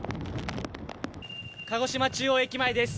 鹿児島中央駅前です。